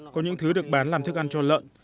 có những thứ được bán làm thức ăn cho lợn